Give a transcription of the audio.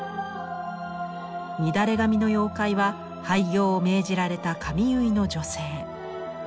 乱れ髪の妖怪は廃業を命じられた髪結いの女性。